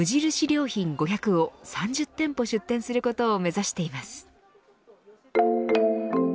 良品５００を３０店舗を出店することを目指しています。